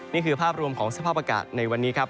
นี่คือภาพรวมของสภาพอากาศในวันนี้ครับ